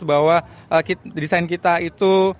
bahwa desain kita itu